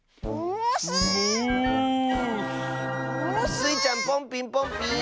スイちゃんポンピンポンピーン！